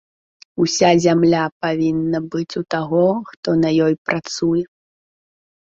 Уся зямля павінна быць у таго, хто на ёй працуе.